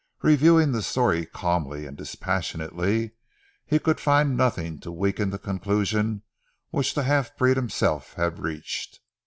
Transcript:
Reviewing the story calmly and dispassionately, he could find nothing to weaken the conclusion which the half breed himself had reached.